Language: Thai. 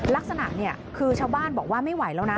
ลักษณะเนี่ยคือชาวบ้านบอกว่าไม่ไหวแล้วนะ